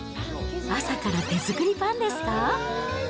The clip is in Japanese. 朝から手作りパンですか？